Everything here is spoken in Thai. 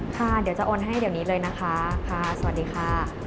ค่ะเดี๋ยวจะโอนให้เดี๋ยวนี้เลยนะคะค่ะสวัสดีค่ะ